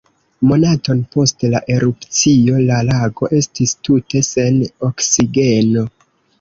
Monaton post la erupcio, la lago estis tute sen oksigeno.